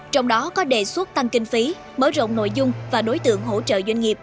trong đó có đề xuất tăng kinh phí mở rộng nội dung và đối tượng hỗ trợ doanh nghiệp